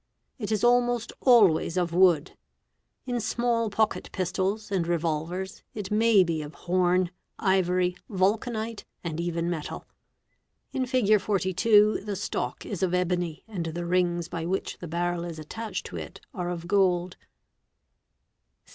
It is almost always of wood; in small po ck pistols and revolvers it may be of horn, ivory, vulcanite, and even : In Fig. 42 the stock is of ebony and the rings by which the ball re » attached to it are of gold.